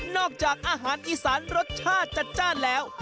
จากอาหารอีสานรสชาติจัดจ้านแล้ว